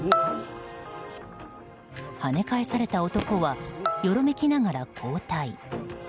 はね返された男はよろめきながら後退。